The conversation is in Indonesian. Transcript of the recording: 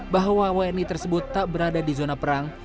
bahwa wni tersebut tak berada di zona perang